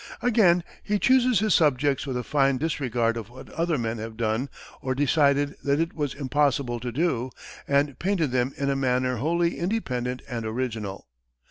Again, he chooses his subjects with a fine disregard of what other men have done or decided that it was impossible to do, and painted them in a manner wholly independent and original.